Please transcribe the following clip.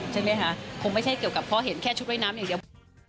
ใช่ไหมคะคงไม่ใช่เกี่ยวกับเพราะเห็นแค่ชุดว่ายน้ำอย่างเดียว